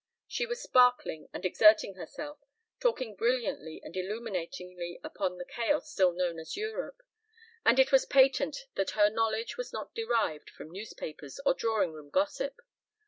She was sparkling and exerting herself, talking brilliantly and illuminatingly upon the chaos still known as Europe, and it was patent that her knowledge was not derived from newspapers or drawing room gossip.